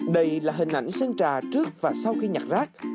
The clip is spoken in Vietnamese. đây là hình ảnh sơn trà trước và sau khi nhặt rác